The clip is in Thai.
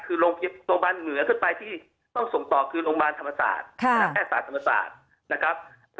คือโรงพยาบาลเหนือขึ้นไปที่ต้องส่งต่อคือโรงพยาบาลธรรมศาสตร์